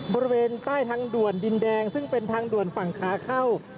บริเวณใต้ทางด่วนดินแดงซึ่งเป็นทางด่วนฝั่งขาเข้า